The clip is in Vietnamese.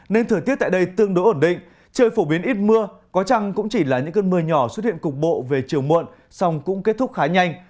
nên thời tiết tại đây tương đối ổn định trời phổ biến ít mưa có chăng cũng chỉ là những cơn mưa nhỏ xuất hiện cục bộ về chiều muộn song cũng kết thúc khá nhanh